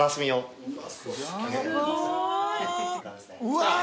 ・うわ！